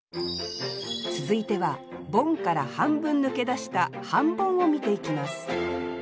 続いてはボンから半分抜け出した半ボンを見ていきます